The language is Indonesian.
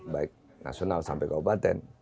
baik nasional sampai kabupaten